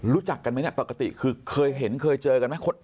รู้จักกันไหมเนี่ยปกติคือเคยเห็นเคยเจอกันไหม